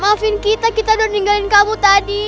maafin kita kita udah ninggalin kamu tadi